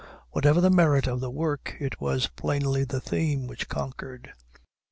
Whatever the merit of the work, it was plainly the theme which conquered.